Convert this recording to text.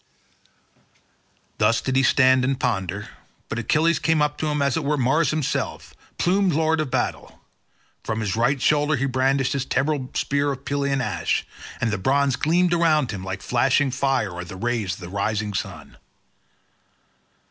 Thus did he stand and ponder, but Achilles came up to him as it were Mars himself, plumed lord of battle. From his right shoulder he brandished his terrible spear of Pelian ash, and the bronze gleamed around him like flashing fire or the rays of the rising sun.